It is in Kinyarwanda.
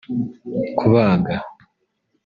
Kubaga